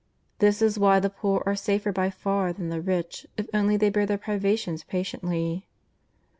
This is why the poor are safer by far than the rich if only they bear their privations pa tiently.